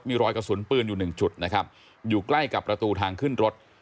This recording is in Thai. มีรอยกระสุนปืนอยู่หนึ่งจุดนะครับอยู่ใกล้กับประตูทางขึ้นรถ